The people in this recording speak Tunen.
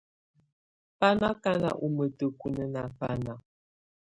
Bà nɔ̀ akana ù mǝtǝkunǝ nà bana.